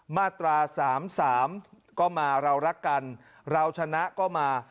มาตรา๓๓ก็มาเรารักกันเราชนะก็มา